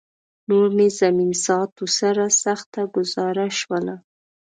نور مې زمین ذاتو سره سخته ګوزاره شوله